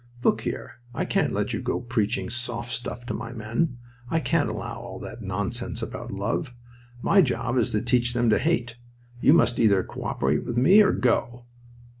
"Look here, I can't let you go preaching 'soft stuff' to my men. I can't allow all that nonsense about love. My job is to teach them to hate. You must either cooperate with me or go."